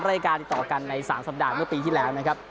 รายการติดต่อกันใน๓สัปดาห์เมื่อปีที่แล้วนะครับ